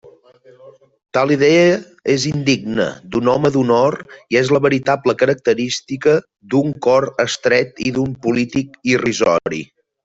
Tal idea és indigna d'un home d'honor i és la veritable característica d'un cor estret i d'un polític irrisori.